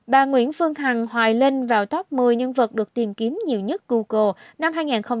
bà nguyễn phương hằng hoài linh vào top một mươi nhân vật được tìm kiếm nhiều nhất google năm hai nghìn một mươi